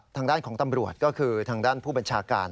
ทางด้านของตำรวจก็คือทางด้านผู้บัญชาการ